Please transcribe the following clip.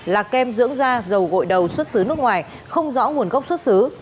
là kem dưỡng da dầu gội đầu xuất xứ nước ngoài không rõ nguồn gốc xuất xứ